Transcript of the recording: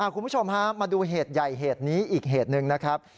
คุณผู้ชมฮะมาดูเหตุใหญ่เหตุนี้อีกเหตุหนึ่งนะครับ